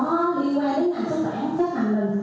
liên quan đến ngành sản phẩm sản phẩm